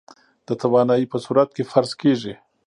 د توانايي په صورت کې فرض کېږي.